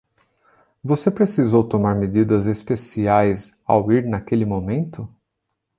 Você precisou tomar medidas especiais ao ir naquele momento?